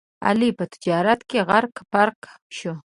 علي په تجارت کې غرق پرق شو.